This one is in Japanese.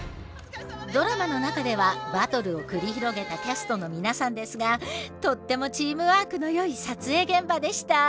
ドラマの中ではバトルを繰り広げたキャストの皆さんですがとってもチームワークのよい撮影現場でした。